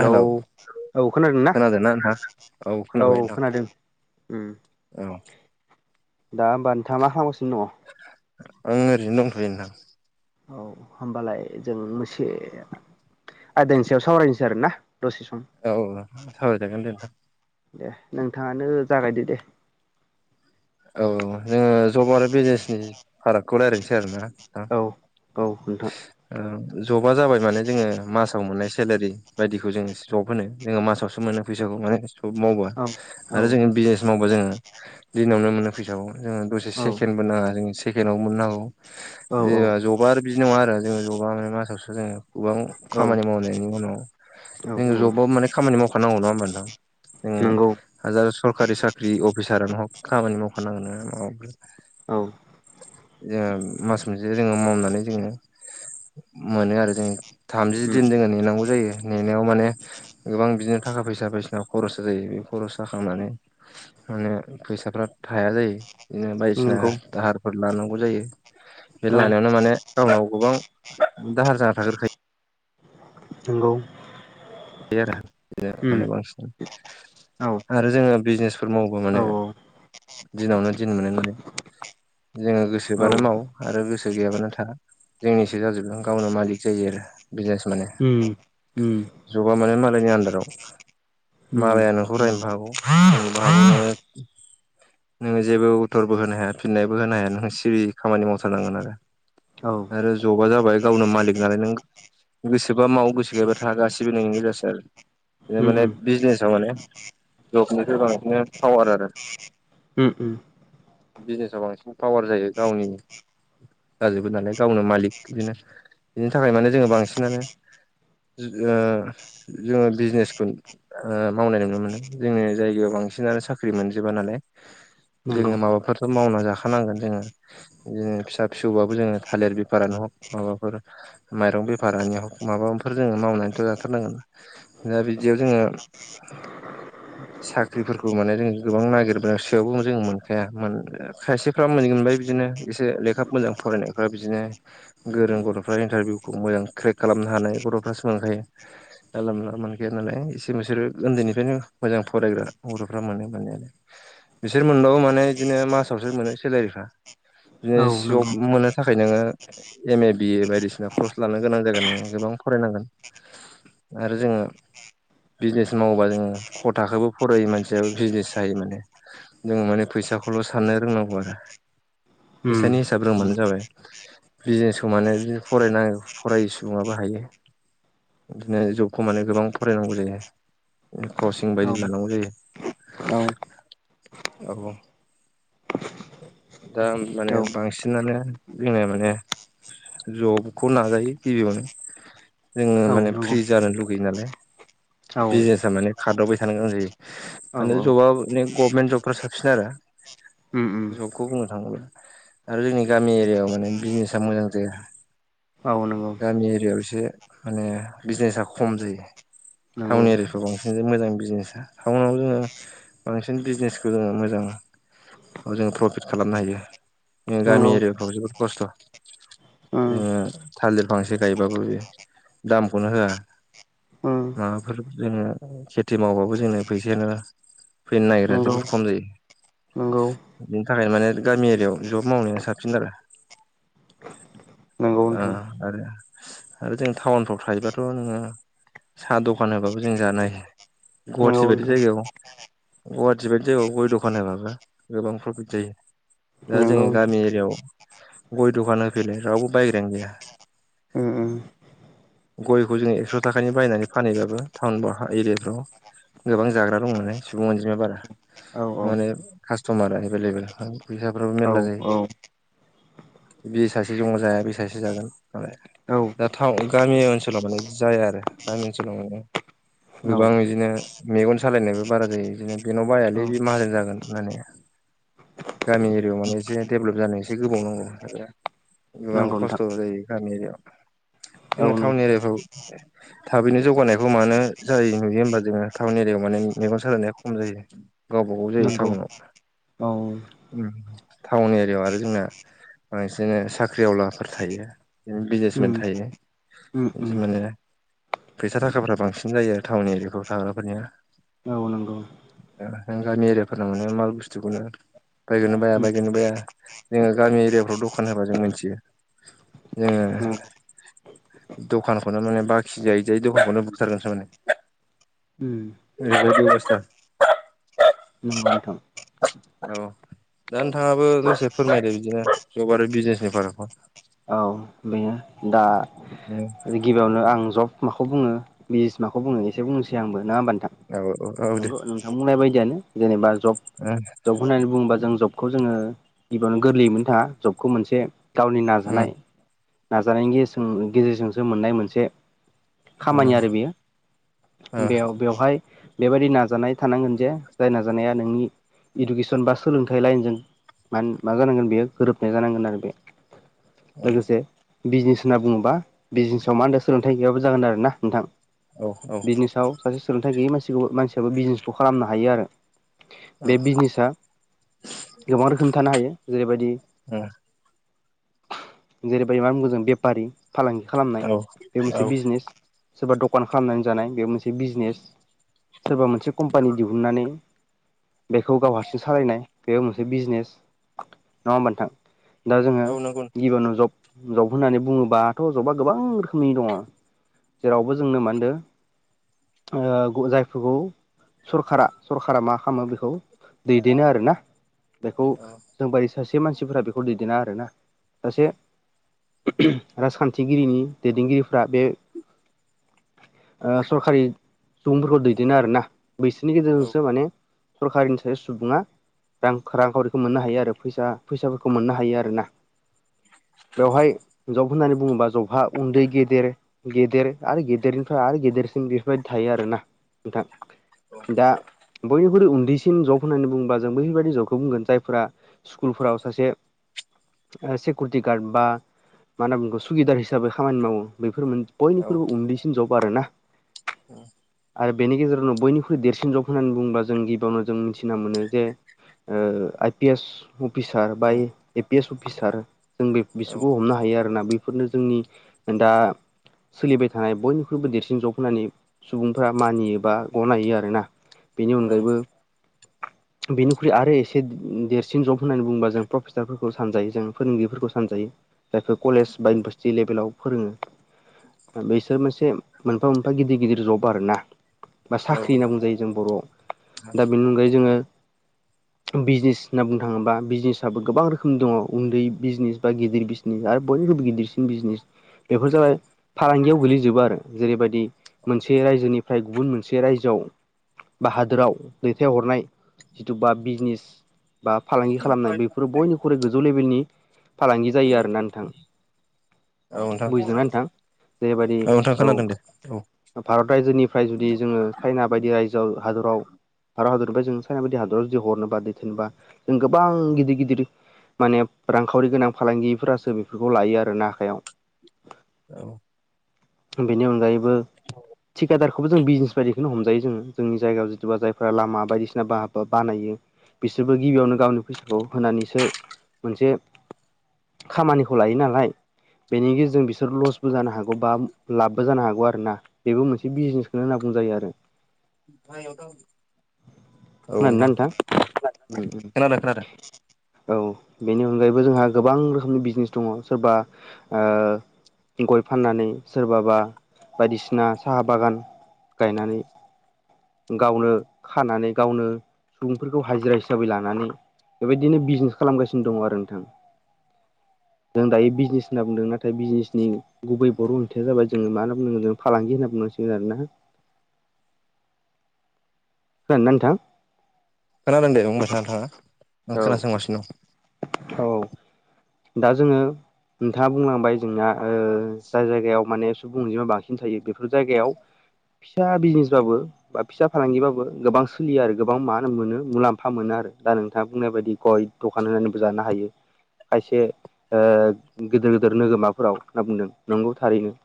Hello, औ खोनादों ना खोनादोंना नोंथां? औ खोनाबाय उम नोंथां। औ दा होमबा नोंथाङा मा खालामगासिनो दङ? आं ओरैनो दंथ'यो नोंथां। औ होमबालाय जों मोसे आदानि सायाव सावरायनोसै आरो ना दसे सम। औ सावरायजागोन दे नोंथां। दे, नोंथाङानो जागायदो दे। औ जोङो जब आरो बिजनेसनि फारागखौ रायलायनोसै आरोना औ औ नोंथां। ओ जबा जाबाय माने जोङो मासाव मोननाय सेलारि बायदिखौ जोङो जब होनो जोङो मासावसो मोनो फैसाखौ माने जब मावबा औ औ आरो जोङो बिजनेस मावबा जोङो दिनावनो मोनो फैसाखौ। जोङो दसे औ सेकेन्डबो नाङा जों सेकेनाव‌बो मोन्नो हागौ औ जेनेबा जौ बिदि नङा आरो जोङो जबा मासावसो जोङो गोबां औ खामानि मावनायनि उनाव औ जोङो औ जबाव माने खामानि मावखानांगौ। नङा होमबा नोंथां? जोङो नंगौ हाजार सरकारि साख्रि अफिसारानो हक खामानि मावखानांगोन नङा औ जोङो मास मोनसे जोङो मावनानै जोङो मोनो आरो जोङो थामजि उम दिन जोङो नेनांगौ जायो। नेनायाव माने गोबां बिदिनो थाखा-फैसा बायसिना खरसा जायो। बे खरसा खालामनानै माने फैसाफ्रा थाया जायो बिदिनो बायदिसिना नंगौ दाहारफोर लानांगौ जायो बे औ लानायावनो माने गावनाव गोबां दाहार जाना थागोरखायो। नंगौ। आरो बिदिनो उम माने बांसिन औ आरो जोङो बिजनेसफोर मावोबा औ माने दिनावनो दिन मोनो आरो। जोङो औ गोसोबानो माव आरो गोसो गैयाबानो था जोंनिसो जाजोबगोन गावनो मालिक जायो आरो बिजनेस माने उम उम जबा माने मालायनि आन्दाराव मालाया नोंखौ उम रायनोबो हागौ बुंनोबो हागौ नोङो नोङो जेबो उतरबो होनो हाया फिननायबो होनो हाया नोंङो सिरि खामानि मावथारनांगोन आरो। नंगौ औ आरो जबा जाबाय गावनो मालिक नालाय नों गोसोबा माव गोसो गैयाबा था। गासि बो नोंनि गोजासो आरो बिदिनो उम माने उम बिजनेसाव माने जबनिफ्राय बांसिन फावार आरो उम उम बिजनेसाव बांसिन फावार जायो गावनि जाजोबो नालाय गावनो मालिक बिनो बिनि थाखाय माने जोङो बांसिनानो जोङो-जोङो बिजिनेसखौ ओ मावनाय नुनो मोनो। जोंनि जायगायाव बांसिनानो साख्रि मोनजोबा नालाय नंगौ जोङो माबाफोरथ' मावना जाखानांगोन जोङो बिदिनो फिसा-फिसौबाबो जोङो थालिर बेफारानो हग माबाफोर माइरं बेफारानि माबाफोर जोङो मावनानै जाथारनांगोन दा बिदियाव जोङो [inaudible] [inaudible] साख्रिफोरखौ माने जों गोबां नागिरबोन सायावबो जों मोनखाया खायसे खालाम मोनबाय बिदिनो एसे लेखा मोजां फरायनायफोरा बिदिनो गोरों गथ'फ्रा इन्टारभिउखौ मोजां क्रेक खालामनो हानाय गथ'फ्रा सोलोंखायो जानला-मोनला मोनखाया नालाय एसे बिसोरो उन्दैनिफ्रायनो मोजां फरायग्रा बर'फ्रा मोनो। बिसोर मोनबावो माने बिदिनो मासावसो मोनो सेलारिफ्रा। औ बिजनेस जब नंगौ मोननो थाखाय नोङो एम ए बिए बायदिसिना कर्स लानो गोनां जागोन नोङो गोबां फरायनांगोन आरो जोङो बिजनेस मावोबा जोङो खथाखोबो फरायो मानसियाबो बिजनेस जायो माने जोङो माने फैसाखौल' साननो रोंनांगौ आरो उम फैसानि फिजाब रोंबानो जाबाय बिजनेसखौ माने बिनो फरायनाङ फरायै सुबुङाबो हायो बिदिनो जबखौ माने गोबां फरायनांगौ जायो क्रसिं औ बायदि लानांगौ जायो औ औ दा औ माने बांसिनानो जोंऔ माने जबखौ नाजाओ गिबियावनो जोङो औ माने नंगौ फ्रि जानो लुगैयो नालाय औ बिजनेसा माने खारावबाय थानो गोनां जायो औ माने औ जबा गभर्नमेन्ट जबफ्रा साबसिन आरो उम उम जबखौ बुंनो थाङोब्ला आरो जोंनि गामि एरियाायाव माने बिजनेसा मोजां जाया औ नंगौ गामि एरियाायाव एसे माने बिजनेसा खम जायो नंगौ टाउन एरियाखौ बांसिन मोजां बिजनेसा टाउनाव जोङो बांसिन बिजनेसखौ जोङो मोजां जोङो प्रफिट खालामनो हायो जों नंगौ गामि एरियाफ्राव जोबोद खस्थ' उम जोङो थालिर फांसे गायबाबो बेयो दामखौनो होआ उम माबाफोर जोङो खेथि मावबाबो जोंनो फैसायानो फैनो नागिरा नंगौ जोबोद खम जायो नंगौ बिनि थाखायनो माने गामि एरियायाव जब मावनाया साबसिन आरो नंगौ अ नोंथां आरो आरो जों टाउनफ्राव थायोबाथ' नोङो साहा दखान होबाबो जों जानो नंगौ गुवाहाटी बारिदि नोंथां जायगायाव गुवाहाटि बायदि जायो गय दखान होबाबो गोबां प्रफिट जायो दा नंगौ जोंङो नोंथां गामि एरियायाव गय दखान होफैलाय रावबो बायग्रायानो गैया ओम ओम गयखौ जोङो एक्स' थाखानि बायनानै फानैहैबाबो टाउन एरियाफ्राव गोबां जाग्रा दं मे सुबुं अनजिमाया बारा औ माने कास्ट'मारा एभेलेबेल फैसाफ्राबो औ मेर्ला जायो औ बे सासे दङ जाया बे सासे जागोन मालाया औ दा गामि ओनसोलाव माने बिदि जाया आरो गामि ओनसोलाव माने गोबां बिदिनो मेगन सालायनायबो बारा जायो बिदिनो बेनाव बायालै बे माहाजोन जागोन माने गामि एरियायाव माने एसे डेभेलप जानाय एसे गोबाव नांगौ गोबां नंगौ नोंथां खस्थ' जायो गामि एरियाायाव औ जोङो नों टाउन एरियाफ्राव थाबैनो जौगानायखौ मानो जायो नुयो होनोमबा जोङो टाउन एरियायाव माने मेगन साजायनाया खम जायो गावबा गाव जायो नंगौ टाउनाव औ टाउन एरियायाव आरो जोंना बांसिनो साख्रिआववलाफोर थायो बिनो बिजनेसमेन उम थायो उम जि उम माने फैसा थाखाफ्रा बांसिन जायो टाउन एरियाखौ थाग्राफोरनिया औ नंगौ। गामि एरियाफोरनाव माने माल बुस्थुखौनो बायगोनना बाया उम बायगोनना बाया जोङो गामि एरियाफ्राव दखान होबा जों मिथियो। जोंओ नंगौ दखानखौनो माने बाखि जायै जायै दखानखौनो बुथारगोन सो माने उम औ दा नंगौ नोंथां नोथाङाबो दसे फोरमायदो बिदिनो जब आरो बिजनेसनि फारागखौ औ बेनो दा [unintelligible] गिबियावनो आं जब माखौ बुङो बिजनेस माखौ बुङो एसे बुंनिसै नङा ओमबा नोंथां? औ औ दे। आं बुंनाय बायदियानो जेनेबा जब ओ जब होननानै बुङोबा जों जबखौ जोङो गिबियावनो गोरलैयै थाङा जबखौ मोनसे गावनि उम नाजानाय नाजानायनि गेजेरजोंसो मोननाय मोनसे उम उम खामानि आरो बेयो ओ औ बेयाव बेवहाय बेबायदि नाजानाय थानांगोन जे जाय नाजानाया नोंनि इडुकेसन बा सोलोंथाइ लाइनजों म मा जानांगोन बेयो गोरोबनाय जानांगोन आरो बे लोगोसे बिजनेस होनना बुङोबा बिजनेसाव मा होनदों सोलोंथाइ गैयाबो जागोन आरो ना नोंथां औ बिजनेसाव सासे सोलोंथाइ गैयै मानसिखौबो मानसियाबो बिजिनेसखौ खालामनो हायो आरो बे बिजनेसा गोबां रोखोम थानो हायो जेरैबायदि उम जेरैबायदि मा बुंगोन जों बेफारि फालांगि खालामनाय औ बे औ मोनसे बिजनेस सोरबा दखान खालामनानै जानाय बे मोनसे बिजनेस सोरबा मोनसे कम्पानि दिहुननानै बेखौ गाव हारसिं सालायनाय बेयाव मोनसे बिजनेस नङा ओमबाबा नोंथां? दा जोङो औ नंगौ गिबियावनो जब जब होननानै बुङोबाथ' जबआ गोबां रोखोमनि दङ जेरावबो जोंनो मा होनदों? ओ जायफोरखौ सरकारा सरकारा मा खालामो बेखौ दैदेनो आरोना बेखौ औ जों बायदि सासे मानसिफोरा बेखौ दैदेना आरोना सासे राजखान्थि दिनथिगिरिनि दैदेनगिरिफ्रा बे सरखारि सुबुंफोरखौ दैदेनो आरोना बैसोरनि औ गेजेरजोंसो माने सरकारिनि सासे सुबुङा रां रांखावरिखौ मोननो हायो आरो फैसा फैसाफोरखौ मोननो हायो आरोना? बेवहाय हिनजाव होननानै बुङोबा जहा उन्दै गेदेर गेदेर आरो गेदेरनिफ्राय आरो गेदेरसिन बेफोरबायदि थायो आरो ना? नोंथां दा बयनिख्रुइ उन्दैसि न जब होन्नानै बुंङोबा जों बैफोरबायदि जबखौ बुंगोन जायफोरा स्कुलफोराव सासे सिकिउरिटि गार्ड बा मा होन बुंगौ सुगिदार हिब हिसाबै खामानि मावो बेफोर औ बयनिख्रुइबो उन्दैसिन जब आरोना? औ आरो बेनि गेजेरावनो बयनिख्रुइ देरसिन जग होननानै बुङोबा जों गिबियावनो जों मिथिना मोनो जे आइ पि एस अफिसार बा ए पि एस अफिसार जों बे बिसोरखौ हमनो हायो आरोना बेफोरनो जोंनि दा सोलिबाय थानाय बयनिख्रुइबो देरसिन जब होनानै सुबुंफ्रा मानियो बा गनायो आरोना बेनि अनगायैबो बेनिख्रुइ आरो एसे देरसिन जब होननानै बुङोबा जों प्रफेसारफोरखौ सानजायो जों फोरोंगिरिफोरखौ सानजायो जायफोर कलेज बा इउनिभारसिटिभ भेल आाव फोरोङो बेसोर मोनसे मोनफा मोनफा गिदिर गिदिर जब आरो ना बा औ औ साख्रि होनना नोंथां बुंजायो जों बर'आव दा बेनि अनगायै जोङो बिजनेस होनना बुंनो थाङोबा बिजनेसाबबो गोबां रोखोम रोखोम दङ उन्दै बिजनेस बा गिदिर बिजनेस आरो बयनिरुबो गिदिरसिन बिजनेस बेफोर जाबाय फालांगियाव गोलैजोबो आरो जेरैबायदि मोनसे रायजोनि फ्राय गुबुन मोनसे राज्योआव बा हादोराव दैथायहरनाय जिथु बा बिजनेस बा फालांगि औ खालामनाय बेफोरो बयनिख्रुइ गोजौ लेभेलनि फालांगि जायो आरोना नोंथां? औ नोंथां जेबायदि औ खोनादों दे औ भारत रायजोनिफ्राय जुदि जोङो चाइना बायदि रायजोआव हादराव हारा हादरबा जों साइना बायदि हादराव जुदि हरनोबा दैेननोबाों गोबां गिदिर गिदिर माने रांखावरि गोनां फालांगिफोरासो बेफोरखौ लायो आरो ना आखायाव औ बेनि अनगायैबो थिकादार बेखौबो जों बिजनेस बायदिखौनो हमजायो जोङो जोंनि जायगायाव जथुबबा जायफोरा लामा बायदिसिना बा बानायो बिसोरबो गिबियावनो गावनि फैसाखौ होनानैसो मोनसे खामानिखौ लायो नालाय बेनि गेजेरजों बिसोर लसबो जानो हागौ बा लाबबो जानो हागौ आरो ना। बेबो मोनसे बिजनेसखौनो होनना बुंजायो आरो ह एथ' औ नोंथां खोनादोन खोनादों औ बेनि अनगायैबो जोंहा गोबां रोखोमनि बिजनेस दङ सोरबा गय फाननानै सोरबाबा बायदिसिना साहा बागान गायनानै गावनो खानानै गावनो सुबुंफोरखौ हाजिरा हिसाबै लानानै बेबायदिनो बिजनेस खालामगासिनो दङ आरो नोंथां जों दायो बिजनेस होनना बुंदों नाथाय बिजनेसनि गुबै बर' ओंथायया जाबाय जो मा होनना बुंनांगोन जों फालांगि होनना बुंनांसिगोन आरोना खोनादों ना नोंथां? खोनादों दे बुंबाय थानो थाङा नों औ खोनासोंगासिनो दं। औ दा जोङो नोंथाङा बुंलांबाय जोंना ओ जाय जायगायाव माने सुबुं अनजिमा बांसिन खिनथायायो बेफोर जायगायाव फिसा बिजनेसबाबो बा फिसा फालांगिबाबो गोबां सोलियो आरो गोबां मा मोनो मुलाम्फा मोनो आरो दा नोंथाङा बुंनाय बायदि गय दखान होनानैबो जानो हायो। खायसे ओ गिदिर गिदिर नोगोमाफोराव होनना बुंदों नंगौ थारैनो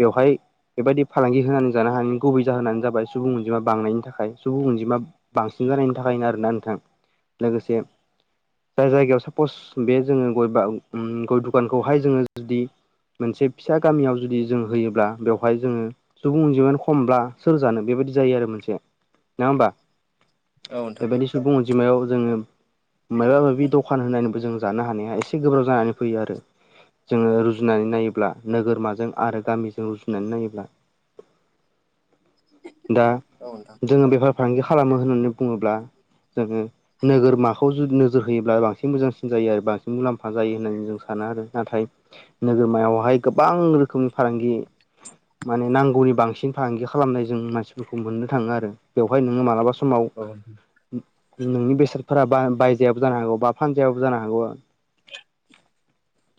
बेवहाय बेबायदि फालांगि होनानै जानो हानायनि गुबै जाहोनानो जाबाय सुबुं अनजिमा बांनायनि थाखाय सुबुं अनजिमा बांसिन जानायनि थाखायनो आरोना नोंथां लोगोसे जाय जायगायाव सापस बे जोङो गय बा गय दुखानखौहाय जोङो जुदि मोनसे फिसा गामियाव जुदि जों होयोब्ला बेवहाय जोङो सुबुं अनजिमानो खमब्ला सोर जानो बेबायदि जायो आरो मोनसे नङा होमबा दं औ नोंथां बेबायदिस अनजिमायाव जोङो माबा माबि दखान होननानैबो जों जानो हानाया एसे गोब्राब जानानै फैयो आरो जोङो रुजुनानै नायोब्ला नोगोरमाजों आरो गामिजों रुजुनानै नायोब्ला दा औ नोंथां जोङो बेफार फालांगि खालामो होननानै बुङोब्ला जोङो नोगोरमाखौ जुदि नोजोर होयोब्ला बांसिन मोजांसि जायो आरो बांसिन मुलाम्फा जायो होननानै जों सानो आरो नाथाय नोगोरमायावहाय गोबां रोखोमनि फालांगि माने नांगौनि बांसिन फालांगि खालामनाय जों मानसिफोरखौ मोननो थाङो आरो बेवहाय नोङो मालाबा सम समाव औ नोंनि बेसादफोरा बायजायाबो जानो हागौ जानो हागौ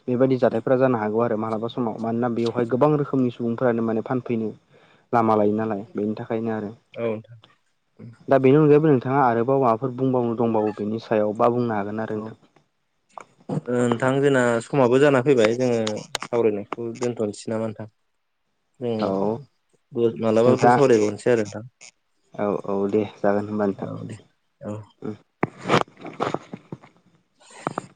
बेबादि जाथायफोरा जानो हागौ आरो मालाबा सम समाव मानोना बेवहाय गोबां रोखोमनि सुबुंफोरानो माने फानफैनो लामा लायो नालाय बेनि थाखायनो आरो नोंथां दा बेनि अनगायैबो नोंथाङा आरोबाव माबाफोर बुंबावनो दंबावो बेनि सायाव बा बुंनो हागोन आरो नोंथां ओ नोंथां जोंना समाबो जाना फैबाय जोङो सावरायनायखौ दोनथनोसै नामा नोंथां औ मालाबाफोर नोंथां सावरायबावनोसै आरो नोंथां औ औ दे जागोन होमबा नोंथां औ दे औ [unintelligible]